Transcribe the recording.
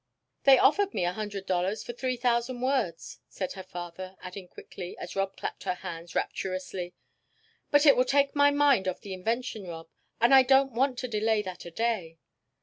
"They offered me a hundred dollars for three thousand words," said her father, adding quickly, as Rob clapped her hands rapturously: "But it will take my mind off the invention, Rob, and I don't want to delay that a day.